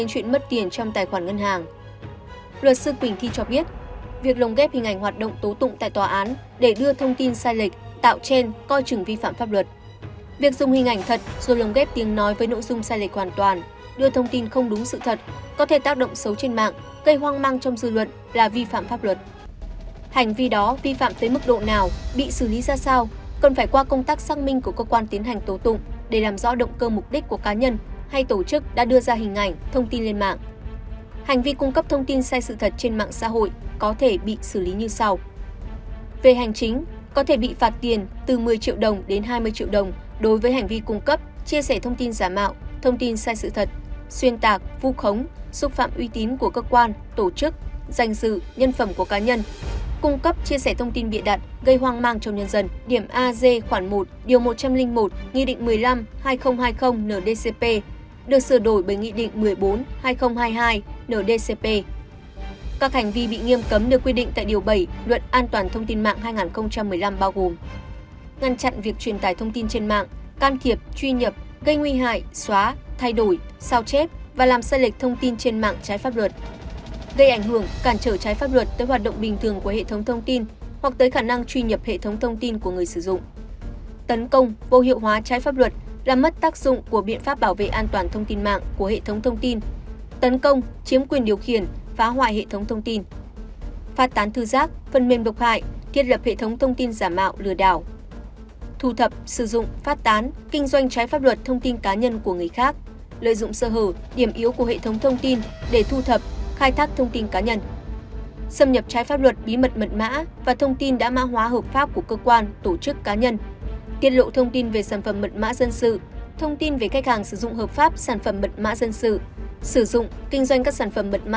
hệ thống thông tin giả mạo lừa đảo thu thập sử dụng phát tán kinh doanh trái pháp luật thông tin cá nhân của người khác lợi dụng sở hữu điểm yếu của hệ thống thông tin để thu thập khai thác thông tin cá nhân xâm nhập trái pháp luật bí mật mật mã và thông tin đã mã hóa hợp pháp của cơ quan tổ chức cá nhân tiết lộ thông tin về sản phẩm mật mã dân sự thông tin về khách hàng sử dụng hợp pháp sản phẩm mật mã dân sự sử dụng kinh doanh các sản phẩm mật mã dân sự không rõ nguồn gốc